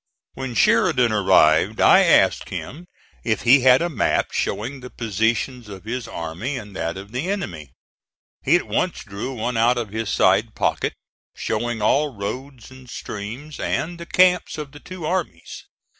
When Sheridan arrived I asked him if he had a map showing the positions of his army and that of the enemy. He at once drew one out of his side pocket, showing all roads and streams, and the camps of the two armies.